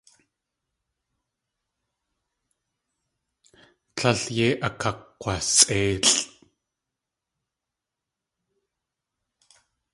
Tlél yéi akakg̲wasʼéilʼ.